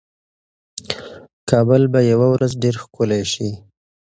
کابل به یوه ورځ ډېر ښکلی شي.